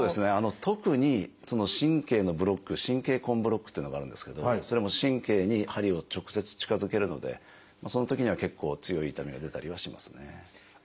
特に神経のブロック「神経根ブロック」というのがあるんですけどそれは神経に針を直接近づけるのでそのときには結構強い痛みが出たりはしますね。